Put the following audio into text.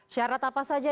syarat apa saja